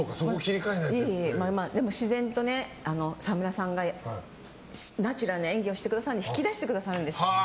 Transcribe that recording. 自然と沢村さんがナチュラルな演技をしてくださるので引き出してくださるんです。